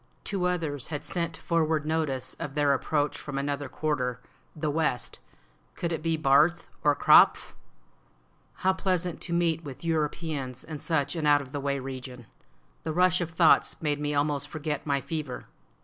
Two others had sent forward notice of their approach from another quarter (the west); could it be Barth or Krapf ? How pleasant to meet with Europeans in such an out of the way region! The rush of thoughts made me almost forget my fever.